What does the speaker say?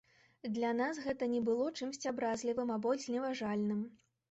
Для нас гэта не было чымсьці абразлівым або зневажальным.